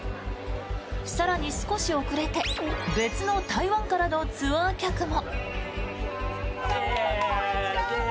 更に、少し遅れて別の台湾からのツアー客も。